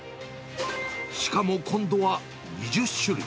しかも今度は２０種類。